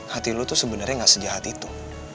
hati lu tuh sebenarnya gak sejahat itu